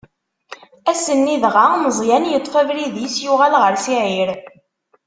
Ass-nni dɣa, Meẓyan yeṭṭef abrid-is, yuɣal ɣer Siɛir.